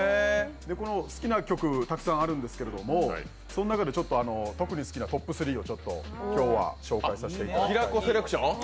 好きな曲たくさんあるんですけどその中で特に好きなトップ３を今日は紹介させていただきたい。